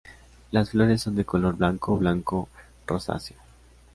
Las flores son de color blanco o blanco rosáceo.